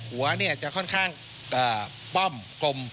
หัวจะค่อนข้างป้อมกลม